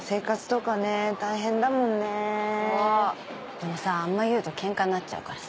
でもさあんま言うとケンカになっちゃうからさ。